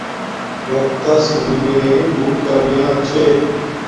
وقت تس مونی نے انگ بوت کامیاپ چھے